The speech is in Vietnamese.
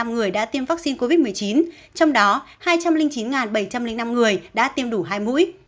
bảy trăm hai mươi hai tám trăm ba mươi năm người đã tiêm vaccine covid một mươi chín trong đó hai trăm linh chín bảy trăm linh năm người đã tiêm đủ hai mũi